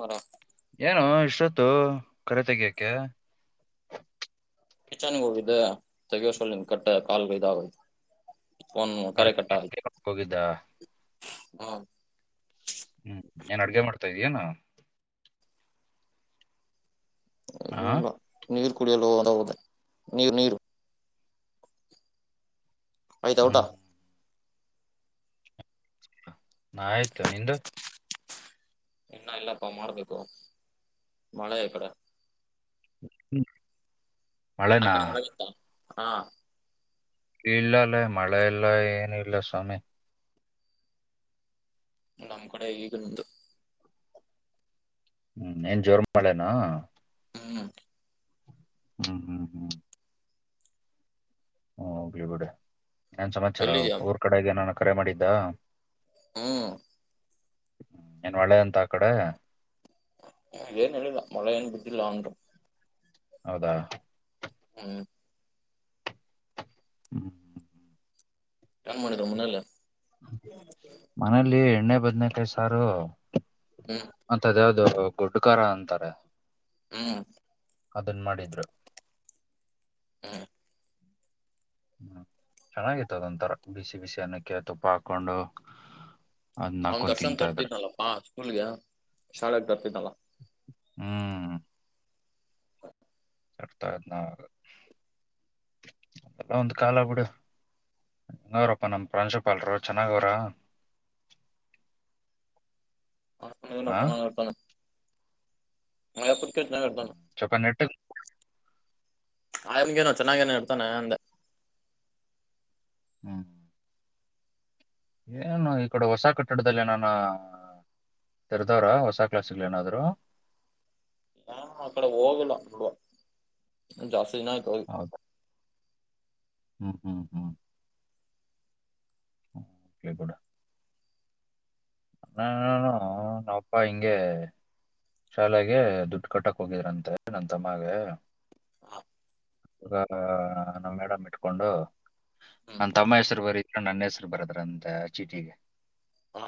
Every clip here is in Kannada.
ಬರ ಏನು ಇಷ್ಟೊತ್ತು ಕರೆ ತೆಗಿಯಕ್ಕೆ ಕಿಚನ್ಗ್ ಹೋಗಿದ್ದೆ ತೆಗೋ ಅಷ್ಟ್ರಲ್ ಕಟ್ ಕಾಲ್ ಇದಾಗೋಯ್ತು. ಫೋನ್ ಅಡ್ [unintelligible] ಹೋಗಿದ್ದ ಹ್ಮ ಹ್ಮ್ ಏನ್ ಅಡ್ಗೆ ಮಾಡ್ತಾ ಇದೀಯೇನು ಹಾ [unintelligible] ಕುಡಿಯಲು [unintelligible] ನೀರ್ ನೀರು ಆಯ್ತಾ ಊಟಾ? ಹ್ಮ್ ಆಯ್ತು ನಿಂದು? ಇನ್ನ ಇಲ್ಲಪ್ಪ ಮಾಡ್ಬೇಕು. ಮಳೆ ಈ ಕಡೆ. ಹ್ಮ್ ಮಳೆನಾ? ಹಾಂ ಇಲ್ಲ ಲೇ ಮಳೆ ಇಲ್ಲ ಏನಿಲ್ಲ ಸ್ವಾಮಿ. ನಮ್ ಕಡೆ ಈಗ ನಿಲ್ತು ಹ್ಮ್ ಏನ್ ಜೋರ್ ಮಳೆನಾ? ಹ್ಮ್ ಹ್ಮ್ ಹ್ಮ್ ಹ್ಮ್ ಹೋಗ್ಲಿ ಬಿಡಿ. ಏನ್ ಸಮಾಚಾರ ಎಲ್ಲಿದ್ಯಾ ಊರ್ ಕಡೆ ಏನನಾ? ಕರೆ ಮಾಡಿದ್ದಾ? ಹ್ಮ್ ಏನ್ ಮಳೆ ಅಂತ ಆ ಕಡೆ? ಏನ್ ಹೇಳಿಲ್ಲ, ಮಳೆ ಏನ್ ಇಲ್ಲಾಂದ್ರು. ಹೌದಾ. ಹ್ಮ್ ಹ್ಮ್ ಏನ್ ಮಾಡಿದ್ರು ಮನೇಲಿ? ಮನೇಲಿ ಎಣ್ಣೆಬದನೆಕಾಯಿ ಸಾರೂ ಹ್ಮ್ ಮತ್ ಅದ ಯಾವ್ದು ಗೊಡ್ ಖಾರ ಅಂತಾರೆ. ಹ್ಮ್ ಅದುನ್ ಮಾಡಿದ್ರು. ಹ್ಮ್ ಹ್ಮ್ ಚೆನ್ನಾಗಿತ್ತು ಅದೊಂತರ ಬಿಸಿ ಬಿಸಿ ಅನ್ನಕ್ಕೆ ತುಪ್ಪ ಹಾಕೊಂಡು ಅದ್ನ ಅವನ್ ಹಾಕೊಂಡ್ ದರ್ಶನ್ ತಿಂತಾ ಇದ್ರೆ ತರ್ತಿದ್ನಲ್ಲಪ್ಪಾ ಸ್ಕೂಲ್ಗೆ ಶಾಲೆಗ್ ತರ್ತಿದ್ನಲ್ಲ ಹ್ಮ್ ತರ್ತಾಯಿದ್ನಾ ಅದೆಲ್ಲಾ ಒಂದ್ ಕಾಲ ಬಿಡು. ಹೆಂಗವ್ರಪ್ಪ ನಮ್ ಪ್ರಾಂಶುಪಾಲ್ರು ಚೆನ್ನಾಗವ್ರ? ಹಾ ಹ್ಮ್. [unintelligible] [unintelligible] ಹ್ಮ್ ಸಲ್ಪ ನೆಟ್ಟುಗ್ ಆಯಮ್ಗೇನು ಚೆನ್ನಾಗೇನೊ ಇರ್ತಾನೆ ಅಂದೆ. ಹ್ಮ್ ಏನು ಈ ಕಡೆ ಹೊಸ ಕಟ್ಟಡದಲ್ ಏನಾನ ತೆರೆದವ್ರ ಹೊಸ ಕ್ಲಾಸ್ ಗುಳ್ ಏನಾದ್ರು? ನಾನು ಆ ಕಡೆ ಹೋಗಿಲ್ಲ ಜಾಸ್ತಿ [unintelligible] [inaudible] ಹ್ಮ ಹ್ಮ್ ಹ್ಮ್ ಹ್ಮ ಕೂಡ ನನು ನಾವ ಅಪ್ಪ ಹಿಂಗೆ ಶಾಲೆಗೆ ದುಡ್ಡು ಕಟ್ಟಕ್ ಹೋಗಿದ್ರಂತೆ ನನ್ ತಮ್ಮಗೆಗ ನ ಮೇಡಮ್ ಇಟ್ಕೊಂಡು ಹ್ಮ್ ನನ್ ತಮ್ಮ ಹೆಸ್ರು ಬರೀ ನನ್ನ ಹೆಸರು ಬರದ್ರಂತೆ ಆ ಚೀಟಿಗೆ ಹಾ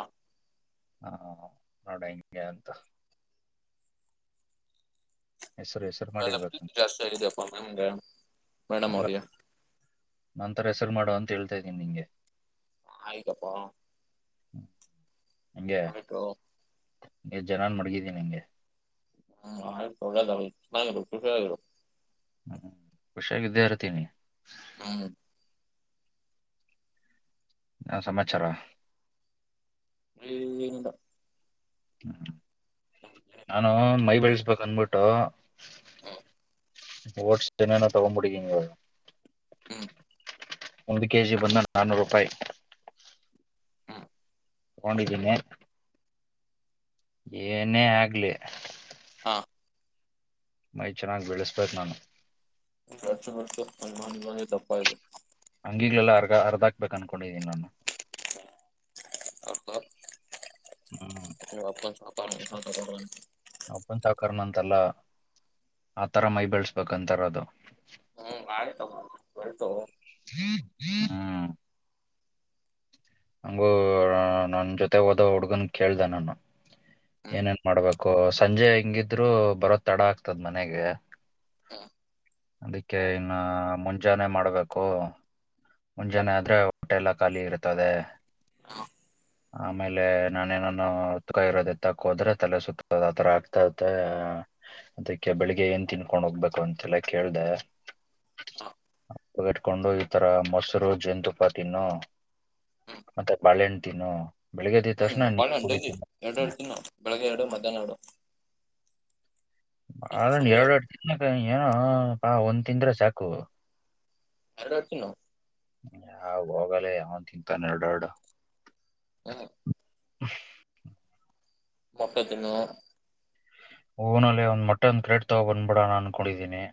ಹಾ ನೋಡಂಗೆ ಅಂತ [inaudible] ನನಗೆ ಪ್ರೀತಿ ಜಾಸ್ತಿ ಆಗಿದೆಪ್ಪ ನಮಗೆ ಮೇಡಮ ಅಲ್ಲ ಆರಿಯಾ ನಂತರ ಹೆಸರು ಮಾಡುವ ಅಂತ ಹೇಳ್ತಾ ಇದ್ದೀನಿ ನಿಂಗೆ ಆಯ್ತಪ್ಪ ಹಂಗೆ ಆಯ್ತೋ ನೀ ಜನನ್ ಮಡಗಿನೀ ನಿಂಗೆ ಹ್ಮ ಆ ಒಳ್ಳೆದು ಚೆನ್ನಾಗಿ ಖುಷಿಯಾಗಿರ ಹ್ಮ್ ಖುಷಿಯಾಗಿ ಇದ್ದೆಇರ್ತೀನಿ ಹ ಏನ್ ಸಮಮಾಚಾರ ಏನಿಲ್ಲ [inaudible] ನಾನು ಮೈ ಬೆಳಸ್ಬೇಕಕ್ ಅಂದಕೊಂಡ ಟ್ಟೋ ಹ್ಮ ಓಟ್ಸ್ನನ ತಗೊಂಡ್ಬಿಟ್ಟಿದ್ದೀನಿ ಇವಾಗ ಹ್ಮ್ ಒಂದು ಕೆಜಿ ಬನ್ ನಾನೂರು ರೂಪಾಯಿ ಹ್ಮ್ ತಗೊಂಡಿದ್ದೀನಿ ಏನೇ ಆಗ್ಲಿ ಹಾ ಮೈ ಚೆನ್ನಾಗಿ ಬೆಳೆಸಬೇಕು ನಾನು [inaudible] ತಪ್ಪಾಯ್ತು ಅಂಗಿಗಳಲ್ಲ ಅರ್ಗ ಅರ್ಧಕ್ಬೇಕ್ ಅನ್ಕೊಂಡಿದೀನಿ ನಾನು ಹ್ಮ್ [inaudible] [inaudible] ಅಲ್ಲ ಆ ತರ ಮೈ ಬೆಳಸ್ಬೇಕಂತಾರ ಅದು ಹ್ಮ್ ಆಯ್ತಪ್ಪ [unintelligible] ಹ್ಮ ಹಂಗು ನನ್ ಜೊತೆ ಹೋದ ಹುಡ್ಗನ್ ಕೇಳ್ದ ನಾನ ಹ್ಮ್ ಏನೇನ್ ಮಾಡ್ಬೇಕು ಸಂಜೆ ಹೆಂಗಿದ್ರು ಬರೋ ತಡ ಆಗ್ತದ ಮನೆಗೆ ಹ ಅದಕ್ಕೆ ಇನ್ನ ಮುಂಜಾನೆ ಮಾಡ್ಬೇಕು ಮುಂಜಾನೆ ಆದ್ರೆ ಹೊಟೆಲ್ಲ ಖಾಲಿ ಇರ್ತದೆ ಹಾ ಆಮೇಲೆ ನಾನೇನಾನ ಉತ್ಕ ಇರೋದೆತ್ತಕೋದ್ರೆ ತಲೆ ಸುತ್ತದ ಆತರ ಆಗ್ತದೆ ಅದಕ್ಕೆ ಬೆಳಿಗ್ಗೆ ಏನ್ ತಿನ್ಕೊಂಡ್ ಹೋಗ್ಬೇಕು ಅಂತೆಲ್ಲ ಕೇಳ್ದ ಹಾ ತಗಟ್ಕೊಂಡು ಈತರ ಮೊಸರು ಜೇನು ತುಪ್ಪಾ ತಿನ್ನು ಹ್ಮ್ ಮತ್ತೆ ಬಾಳೆಹಣ್ಣು ತಿನ್ನು ಬೆಳಿಗ್ಗೆ ಎದ್ದ ತಕ್ಷಣ ಹ್ಮ್ ನೀರ್ ಬಾಳಲಿ ಎರಡು ಕುಡಿತೀನಿ ಎರ್ ತಿನ್ ನ ಬೆಳಿಗ್ಗೆ ಎರಡು ಮಧ್ಯಾಹ್ನ ಎರಡು ಬಾಳೆಹಣ್ಣು ಎರಡು ಎರಡ ತಿಕ ಏನಾ ಒಂದ ತಿಂದ್ರೆ ಸಾಕು ಯರಡ್ ಯರಡ್ ತಿನ್ನು ಹ್ಮ ಯಾವ ಹೋಗಲ್ಲೇ ಯಾವನ ತಿಂತಾನ ಎರಡ ಎರಡು ಹ್ಮ್ ಹ್ಮ್ [unintelligible] ಮೊಟ್ಟೆ ತಿನ್ನು ಹೂನಲ್ಲಿೇ ಒಂದ್ ಮಟ್ಟನ್ ಬ್ರೆಡ್ ತಂದ ಬಿಡೋಣ ಅನ್ಕೊಂಡಿದ್ದೀನಿ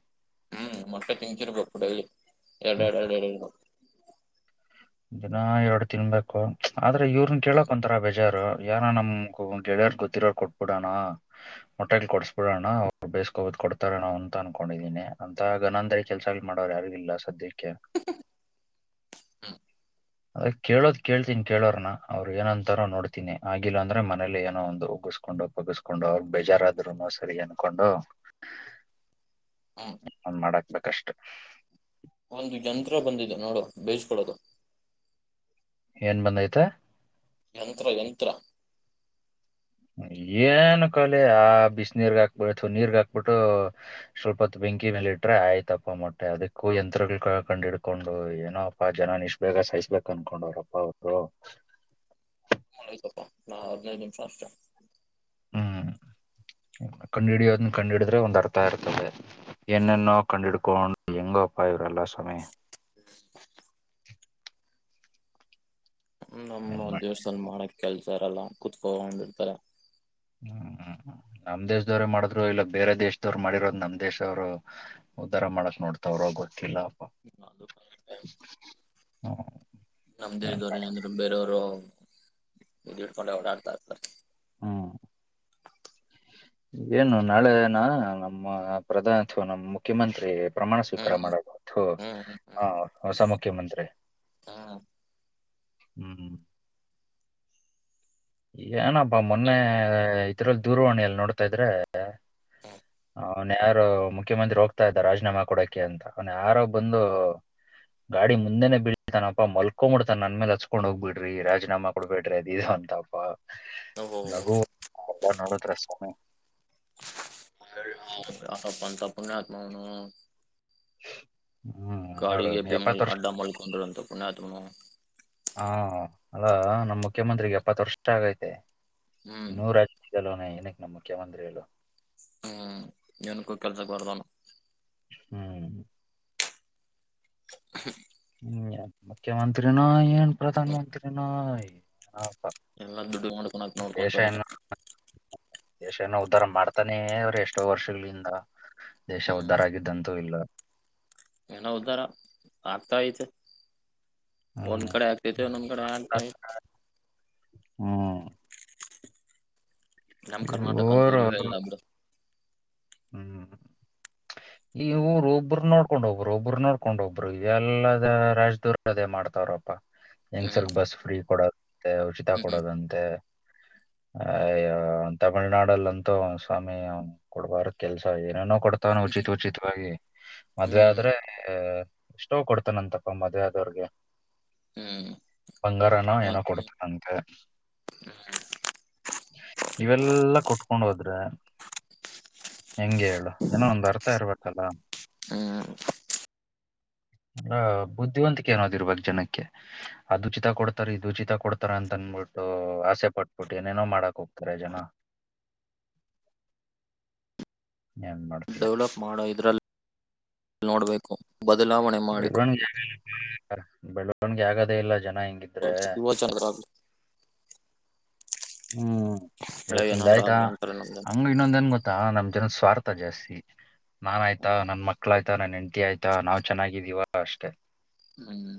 ಹ್ಮ್ ಮೊಟ್ಟೆ ತಿಂತಿರಬೇಕ್ ಕೈ ಎರಡು ಹ್ಮ್. ಎರಡು ಎರಡು ಎಡಿ [unintelligible] ದಿನ ಎರಡು ತಿನಬೇಕು ಆದ್ರ ಇವ್ರನ್ ಕೇಳಕ್ ಒಂತರ ಬೇಜಾರು ಏನೋ ನಮ್ ಗೆಳೆಯರ್ ಗೊತ್ತಿರೋರು ಕೊಟ್ಟು ಬಿಡೋಣ ಮಟನ್ ಕೊಡಿಸಿಬಿಡೋಣ ಅವರ ಬೇಸ್ಕಹೊಂಡ ಕೊಡ್ತಾರಣ ಅಂತ ಅನ್ಕೊಂಡಿದೀನಿ ಅಂತಾಗಗ ನಂದ ಕೆಲಸ ಮಾಡೋರು ಯಾರಿಲ್ಲ ಸದ್ಯ ಕೆ ಹ್ಮ್ ಅದೆ ಕೇಳೋದ್ ಕೇಳ್ತೀನಿ ಕೇಳೋರ್ನ ಅವ್ರು ಏನಂತಾರೋ ನೋಡ್ತೀನಿ ಆಗಿಲ್ಲ ಅಂದ್ರೆ ಮನೇಲಿ ಏನೋ ಒಂದು ಉಗುಸ್ಕೊಂಡು ಪಗಸ್ಕೊಂಡು ಅವ್ರ ಬೇಜಾರಾದ್ರುನು ಸರಿ ಅನ್ಕೊಂಡು ಹ್ಮ್ ಹ ಮಾಡ ಅಗಷ್ಟು ಒಂದು ಜಂತ್ರ ಬಂದಿದೆ ನೋಡು ಬೇಸ್ ಕೊಡೋದು ಏನ್ ಬಂದೈತೆ ಯಂತ್ರ ಯಂತ್ರ ಏನ ಕಾಲೆ ಆ ಬಿಸಿ ನೀರ ತಣ್ಣೀರ ಗೆ ಹಾಕಿಬಿಟ್ಟರೆ ಸ್ವಲ್ಪ ಹೊತ್ತ ಬೆಂಕಿ ಮೇಲೆ ಇಟ್ರೆ ಆಯ್ತಪ್ಪ ಮೊಟ್ಟೆ ಅದಿಕ್ಕೂ ಯಂತ್ರಗಳು ಕಂಡ ಇಡ್ಕೊಂಡು ಏನೋಪ್ಪಾ ಜನ ಇಷ್ಟ ಬೇಗ ಸಾಯಿಸಬೇಕು ಅನ್ಕೊಂಡವ್ರಪ್ಪ ಅವರು [unintelligible] ನಾ ಹದಿನೈದು ನಿಮಿಷ ಅಷ್ಟೇ ಹ್ಮ್ ಕಂಡು ಹಿಡಿಯೋದನ್ನ ಕಂಡು ಹಿಡಿದ್ರೆ ಒಂದ್ ಅರ್ಥ ಇರ್ತದೆ ಏನೇನೋ ಕಂಡು ಹಿಡ್ಕೊಂಡ್ ಎಂಗ್ ಅಪ್ಪಾ ಇವರ ಎಲ್ಲಾ ಸ್ವಾಮಿ [unintelligible] ನಮ್ಮ ಏನ್ ಮಾಡಿ ದೇವಸ್ಥಾನ್ ಮಾಡಕ್ ಕೆಲಸ್ ಸಾರಲ್ಲ ಕೂತ್ಕೊಂಡ್ ಇರುತ್ತಾರೆ ಹ್ಮ್ ಹ್ಮ್ ನಮ್ ದೇಶದವ್ರೇ ಮಾಡಿದ್ರು ಇಲ್ಲ ಬೇರೆ ದೇಶದವ್ರರು ಮಾಡಿರೋದ್ ನಮ್ ದೇಶವ್ರು ಉದ್ಧಾರ ಮಾಡಕ್ ನೋಡ್ತಾವ್ರರು ಗೊತ್ತಿಲ್ಲ ಅದು ಕರೆಕ್ಟೆ ಹ ನಮ್ಮ ದೇಶದವರು ಏನಂದ್ರು ಬೇರೆಯವರು ಹಿಡ್ಕೊಂಡು ಓಡಾಡುತ್ತಾರೆ ಹ್ಮ್ ಏನು ನಾಳೆ ನಾ ನಮ್ಮ ಪ್ರಧಾನ ಅಥವಾ ನಮ್ಮ ಮುಖ್ಯಮಂತ್ರಿ ಪ್ರಮಾಣ ಸ್ವೀಕಾರ ಹ್ಮ್ ಮಾಡಬಹುದು ಹ್ಮ್ ಹ್ಮ್ ಹ ಹೊಸ ಮುಖ್ಯಮಂತ್ರಿ ಹ್ಮ್ ಹ್ಮ್ ಹ್ಮ್ ಏನಪ್ಪಾ ಮೊನ್ನೆ ಇದರಲ್ಲಿ ದೂರವಾಣಿ ಎಲ್ಲಿ ನೋಡ್ತಾ ಇದ್ರೆ ಅವ್ನ್ ಯಾರು ಮುಖ್ಯಮಂತ್ರಿ ಹೋಗ್ತಾ ಇದ್ದ ರಾಜೀನಾಮೆ ಕೊಡಕೆ ಅಂತ ಅವನ್ ಯಾರೋ ಬಂದು ಗಾಡಿ ಮುಂದೆನೆ ಬೀಳ್ತಾನಪ ಮಲ್ಕೊಂಡ್ ಬಿಡ್ತಾನೆ ನನ್ ಮೇಲೆ ಹತ್ಸ್ಗೊಂದು ಹೋಗ್ ಬಿಡ್ರಿ ರಾಜೀನಾಮೆ ಕೊಡಬೇಡ್ರಿ ಅದು ಇದು ಅಂತ [unintelligible] [unintelligible] ಅದೆಲ್ಲ ನೋಡಿದ್ರೆ ಸ್ವಾಮಿ ಪುಣ್ಯಾತ್ಮ ಅವ್ನು [inaudible] ನೋಡು ಗಾಡಿಗೆ ಎಪ್ಪತ್ತು ಬಿಲ್ ವರ್ಷ ಅಡ್ಡ ಮಾಡಕೊಂಡರು ಅಂತ ಪುಣ್ಯಾತ್ನು. ಹಾ ಅಲ್ಲಾ ನಮ್ಮ್ ಮುಖ್ಯಮಂತ್ರಿರಿಗೆ ಎಪ್ಪತ್ ವರ್ಷ ಆಗೈತೆ. ಹ್ಮ್ ನೂರಾ [unintelligible] ಇನ್ಯಾಕೆ ನಮ್ಮ್ ಮುಖ್ಯಮಂತ್ರಿ ಹೇಳು ಹ್ಮ್ ಏನುಕ್ಕು ಕೆಲ್ಸಕ್ಕೆ ಬಾರದವನು. ಹ್ಮ್. [unintelligible] ಹ್ಮ್ ಮುಖ್ಯಮಂತ್ರಿನ ಏನ್ ಪ್ರಧಾನ ಮಂತ್ರಿನೋ ಎಲ್ಲಾ ದುಡ್ಡು ಮಾಡಕೋ ದೇಶ ನೋಡ್ಕೊಂತರ್. ಏನ ದೇಶ ಏನೋ ಉದ್ಧಾರ ಮಾಡ್ತಾನೆ ಅವ್ರ ಎಷ್ಟೋ ವರ್ಷಗಳಿಂದ ದೇಶ ಹ್ಮ್ ಉದ್ಧಾರ ಆಗಿದ್ದಂತೂ ಇಲ್ಲ. ಏನೋ ಉದಾರ ಆಗ್ತಾ ಅಯ್ತೆ ಒಂದ್ ಹ್ಮ್ ಕಡೆ ಆಗ್ತೈತೆ ಒಂದೊಂದ್ ಕಡೆ ಆಗ್ತಾ. ಹ್ಮ್. ನಮ್ ಕರ್ನಾಟಕ ಅಂತೂ ಇವರು ಇಲ್ಲವೆ ಇಲ್ಲ ಬಿಡು. ಹ್ಮ್ ಈ ಊರು ಒಬ್ರು ನೋಡ್ಕೊಂಡ್ ಒಬ್ರು ಒಬ್ರು ನೋಡ್ಕೊಂಡ ಒಬ್ರು ಇವೆಲ್ಲದ ರಾಜ್ಯದವ್ರು ಅದೇ ಮಾಡ್ತವ್ರಪ್ಪಾ ಹೆಂಗ್ ಸರ್ ಹ್ಮ್ ಬಸ್ ಫ್ರೀ ಕೊಡೋ. ಮತ್ತೆ ಉಚಿತ ಹ್ಮ್ ಕೊಡೋದಂತೆ. ಹಾ ತಮಿಳ್ನಾಡಲ್ಲಂತೂ ಸ್ವಾಮಿ ಕೊಡ್ಬಾರ. ಕೆಲ್ಸ ಏನೇನೋ ಕೊಡ್ತವನ ಉಚಿತ ಉಚಿತವಾಗಿ ಮದ್ವೆ ಹ್ಮ್ ಆದ್ರೆ. ಎಷ್ಟೋ ಕೊಡ್ತಾನಂತಪ್ಪ ಮದ್ವೆ ಆದವ್ರ್ಗೆ. ಹ್ಮ್ ಬಂಗಾರನ ಏನೋ ಮತ್ತೆ ಕೊಡ್ತನಂತೆ [inaudible] ನನಗೆ ಇವೆಲ್ಲ ಕೊಟ್ಟ. ಕೊಟ್ಕೊಂಡು ಹೋದ್ರೆ. ಹೆಂಗಗೆ ಹೇಳು ಇಏನೋ ಒಂದು ಅರ್ಥ ಇರ್ಬೇಕಲ್ಲ. ಹ್ಮ. ಅಂದ್ರ ಬುದ್ಧಿವಂತಿಕೆ ಏನೋದ ಇರ್ಬೇಕು ಜನಕ್ಕೆ ಅದ ಉಚಿತ ಕೊಡ್ತಾರ ಇದು ಉಚಿತ ಕೊಡ್ತಾರ ಅಂತ ಅನ್ಬಿಟ್ಟು ಆಸೆ ಪಟ್ಬಿಟ್ಟು ಏನೇನೋ ಮಾಡಕ್ ಹೋಗ್ತಾರೆ ಜನ. ಏನ್ ಮಾಡ್ತೀಯ ಡೆವಲಪ್ ಮಾಡೋ ಇದ್ರಲ್ಲಿ [inaudible] ನೋಡ್ಬೇಕು. ಬದಲಾವಣೆ [unintelligible] ಮಾಡಿ ನನ್ಗೆ ಆಗದ ಇಲ್ಲ. ಜನ ಹಂಗಿದ್ರೆ ಯುವಜನರ ಹ್ಮ್ ಬೆಳೆ ಇವತ್ತಿಂದ ಏನಾದ್ರು ಆಯ್ತಾ ಆಗ್ಲಿ ಅಂತಾರೆ ನಮ್ದು ಹಂಗ ಇನ್ನೊಂದೇನ್ ಗೊತ್ತಾ ನಮ್ ಜನ ಸ್ವಾರ್ ಜಾಸ್ತಿ ನಾನ್ ಆಯ್ತಾ ಹ್ಮ್ ನನ್ ಮಕ್ಳಾಯ್ತ. ಎಟ ಆಯ. [unintelligible] ನಾವ್ ಚೆನ್ನಾಗಿದ್ದೀವಾ ಅಷ್ಟೇ. ಹ್ಮ್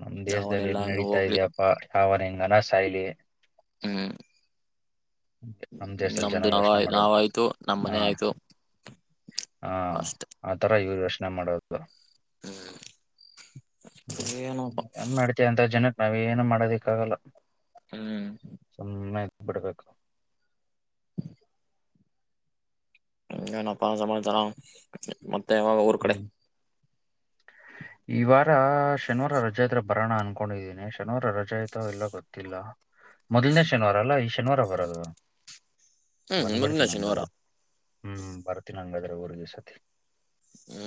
ನಮ್ ದೇಶದಲ್ಲಿ ಯಾವನೆಲ್ಲ ಏನ್ ಅನ್ನು ನಡೀತಾ ಹೋಗ್ಲಿ ಇದೆ ಅಪ್ಪ. ಅವನ ಹೆಂಗನ ಸಾಯ್ಲಿ ಹೂ ನಮ ದೇಶದಲ್ಲಿ ಜನ ಯೋಚನೆ ಮಾಡದು ನಾವಾಯ್ತು ನಮ್ ಹಾ ಮನೆ ಆಯ್ತು ಹಾ ಅಷ್ಟೆ ಆತರ ಇವರ ಯೋಚನೆ ಮಾಡೋದು [unintelligible] ಹ್ಮ್ ಏನಪ್ಪ ಏನ್ ಮಾಡತಿ ಅಂತ ಜನ ನಾವ್ ಏನು ಮಾಡೋದಿಕ್ಕ ಆಗಲ್ಲ ಹ್ಮ್ ಸುಮ್ಮ ಬಿಡ್ಬೇಕು ಹನ್ಪ್ಪ ಸಮಮ್ಮತರ [unintelligible] ಮತ್ತೆ ಯಾವಾಗ ಊರ್ ಕಡೆ ಹ್ಮ್. ಈ ವಾರ ಶನಿವಾರ ರಜಾಯತ್ರ ಬರೋಣ ಅನ್ಕೊಂಡಿದ್ದೀನಿ ಶನಿವಾರ ರಜಾಯತ ಎಲ್ಲ ಗೊತ್ತಿಲ್ಲ ಮೊದಲ್ನೇ ಶನಿವಾರ ಅಲ್ಲಾ ಈ ಶನಿವಾರ ಬರದು ಹ್ಮ್ ಮುಂದಿನ ಬಂದ್ಬಿಡ್ತೀನಿ ಶನಿವಾರ ಹಂಗಾದ್ರೆ ಹು ಬರ್ತೀನಿ ಹಂಗಾದ್ರ ಬರ ಊರ್ಗ ಸಾ [unintelligible] ಹೂ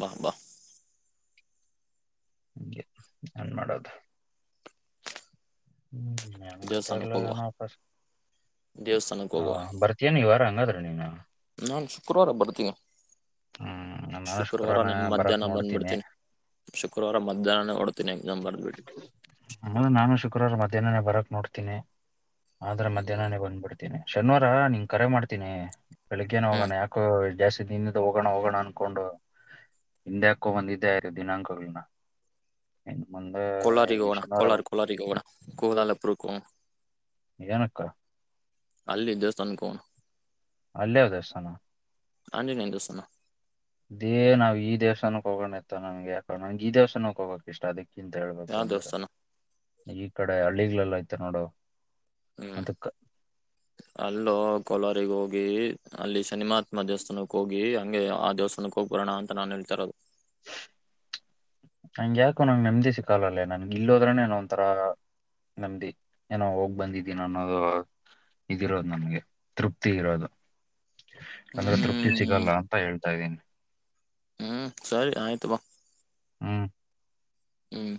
ಬಾ ಬಾ ಹಗೆ ನನ್ ಮಾಡೋದು [unintelligible] ಹು ಹೆಂಗ ದೇವಸ್ಥಾನಕ್ಕೆ ಬರಲೋ ಹೋಗುವ ಏನ ವಾಪಸ್ ದೇವಸ್ಥಾನಕ್ಕೆ ಹೋಗುವ ಹ ಬರ್ತೀನಿ ಈ ವಾರ ನಡ್ರಿ ನೀನು [unintelligible] ನಾನ್ ಶುಕ್ರವಾರ ಬರ್ತೀನಿ ಹ್ಮ್ ನಾನು ಶುಕ್ರವಾರ ನ ಬರಕ್ ಮಧ್ಯಾಹ್ನ ನೋಡ್ತೀನಿ ಬಂದ್ಬಿಡ್ತೀನಿ ಶುಕ್ರವಾರ ಮಧ್ಯಾಹ್ನನೇ ಹೊಓಡ್ತೀನಿ ಎಕ್ಸಾಮ್ ಬರ್ದಬಿಟ್ಟು ದಿನನೇ ಬರಕ್ ನೋಡ್ತೀನಿ ಆದ್ರೆ ಮಧ್ಯನನೆ ಬಂದ್ ಬಿಡ್ತೀನಿ ಶನಿವಾರ ನಿನ್ ಕರೆ ಮಾಡ್ತೀನಿ ಬೆಳಿಗ್ಗೆನ್ ಹ್ಮ್ ಹೋಗೋಣ ಯಾಕೆ ಜಾಸ್ತಿ [unintelligible] [inaudible] ಹೋಗೋಣ ಹೋಗೋಣ ಅನ್ಕೊಂಡು ಹಿಂದ್ಯಾಕೋ ಬಂದಿದ್ದೆ ದಿನಾಂಕಗಳನ್ನ ಮುಂದೆ ಕೊಳ್ಳಾರಿ ಈ ಹೋಗೋಣ ಶನಿವಾರ ಕೊಳ್ಳಾರಿ ಕೊಳ್ಳಾರಿ ಹೋಗೋಣ ಕೋಲಾಲಪುರಕ ಏನಕ್ಕ ಅಲ್ಲಿ ದೇವಸ್ಥಾನ ಹೋಗೋಣ ಅಲ್ಲೇ ಯಾವ ದೇವಸ್ಥಾನ ಆಂಜನೇಯ ದೇವಸ್ಥಾನ ಏ ನಾವ್ ಈ ದೇವಸ್ಥಾನ ಹೋಗೋಣತ್ತ ನನ್ಗೆ ಯಾಕ ನನ್ಗೆ ಈ ದೇವಸ್ಸಾನಕ್ಕೆ ಹೋಗಕ್ ಇಷ್ಟ ಅದಕ್ಕೆ ಕ್ಕಿಂತ ಹೇಳ್ಬೇಕು ಯಾವ ಅಂದ್ರೆ ದೇವಸ್ಥಾನ ಈ ಕಡೆ ಹಳ್ಳಿಗಳಲ್ಲೇ ಐತಿ ನೋಡು ಹೂ ಅದಕ್ಕ ಅಲ್ಲೋ ಕೊಲಾರಗ ಹೋಗ ಹಿ ಅಲ್ಲಿ ಶನಿಮಾತ್ಮ ದೇವಸ್ಥಾನಕ್ ಹೋಗಿ ಹಂಗೆ ಆ ದೇವಸ್ಥಾನಕ್ಕೆ ಹೋಗ್ಬರೋಣ ಅಂತ ನಾನ್ ಹೇಳ್ತಿರೋದು ನಂಗ ಯಾಕೋ ನಂಗೆ ನೆಮ್ದಿ ಸಿಕ್ಕಲ್ಲಲ್ಲೇ ನನ್ಗೆ ಇಲ್ಲೋದ್ರನೆ ಒಂಥರಾ ನೆಮದಿ ಏನೋ ಹೋಗ್ ಬಂದಿದ್ದೀನ ಅನ್ನೋದು ಇದಿರೋದು ನನ್ಗೆ ತೃಪ್ತಿ ಇರೋದು ಅಂದ್ರೆ ತೃಪ್ತಿ ಹ್ಮ್ ಸಿಗಲ್ಲ ಅಂತ ಹೇಳ್ತಾ ಇದ್ದೀನಿ ಹ್ಮ್ ಸರಿ ಆಯ್ತು ಬಾ ಹ್ಮ್ ಹ್ಮ್